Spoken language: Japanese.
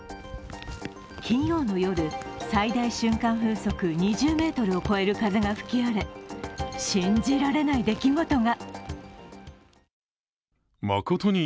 金曜の夜、最大瞬間風速２０メートルを超える風が吹き荒れ信じられない出来事が。